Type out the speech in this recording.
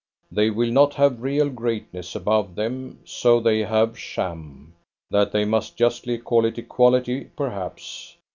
They will not have real greatness above them, so they have sham. That they may justly call it equality, perhaps!